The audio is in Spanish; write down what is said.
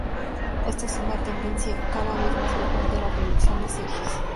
Esta es una tendencia cada vez más frecuente en la producción de series.